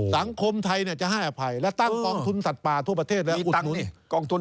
สังคมไทยจะให้อภัยและตั้งกองทุนสัตว์ป่าทั่วประเทศแล้วตั้งกองทุน